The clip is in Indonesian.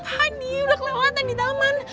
hadiah udah kelewatan di taman